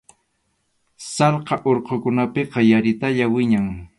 Sallqa urqukunapiqa yaritalla wiñan.